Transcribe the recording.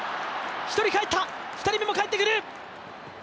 １人帰った、２人目も帰ってくる。